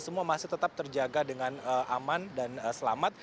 semua masih tetap terjaga dengan aman dan selamat